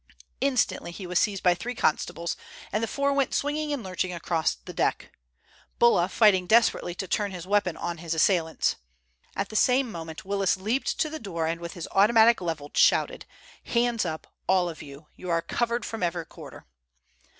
Instantly he was seized by three constables, and the four went swinging and lurching across the deck, Bulla fighting desperately to turn his weapon on his assailants. At the same moment Willis leaped to the door, and with his automatic levelled, shouted, "Hands up, all of you! You are covered from every quarter!"